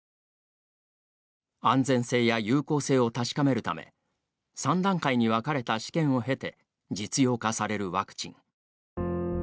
安全性や有効性を確かめるため３段階に分かれた試験を経て実用化されるワクチン。